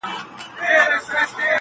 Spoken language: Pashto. اوس په كلي كي چي هر څه دهقانان دي!.